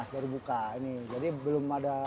dari buka ini jadi belum ada